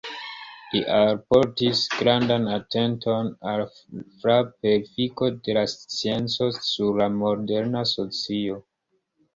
Li alportis grandan atenton al la frap-efiko de la scienco sur la moderna socio.